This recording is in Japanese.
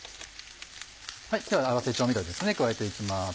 では合わせ調味料加えて行きます。